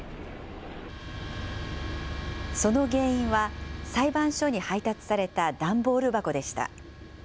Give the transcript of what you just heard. その原因は裁判所に配達された段ボール箱でした。